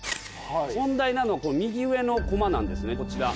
問題なのはこの右上のコマなんですねこちら。